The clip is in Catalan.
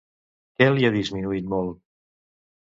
Què li ha disminuït molt?